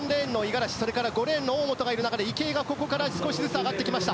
それから５レーンの大本がいる中で池江が少しずつ上がってきました。